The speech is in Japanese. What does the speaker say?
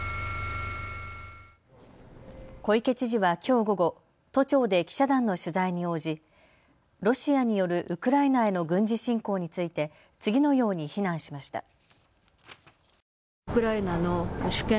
小池知事はきょう午後、都庁で記者団の取材に応じロシアによるウクライナへの軍事侵攻について次のように非難しました。